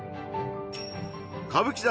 歌舞伎座